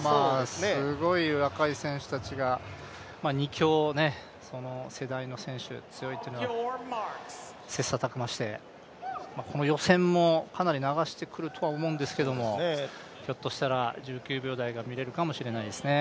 すごい若い選手たちが、２強、その世代の選手強いっていうのは、切磋琢磨して予選もかなり流してくるとは思うんですけどもひょっとしたら１９秒台が見れるかもしれませんね。